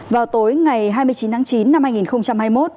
vào tối ngày hai mươi chín tháng chín năm hai nghìn hai mươi một